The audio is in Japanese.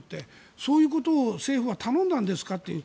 そういうことを政府は頼んだんですか。